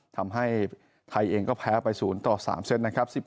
ทำให้ไทยเองก็แพ้ไป๐ต่อ๓เซตนะครับ